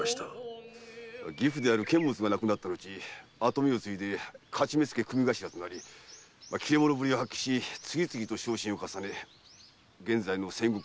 義父である監物が亡くなったのち跡目を継いで徒目付組頭となり切れ者ぶりを発揮し次々と昇進を重ね現在の千石取りの納戸頭に。